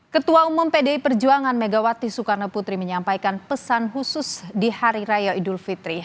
ketua umum pdi perjuangan megawati soekarno putri menyampaikan pesan khusus di hari raya idul fitri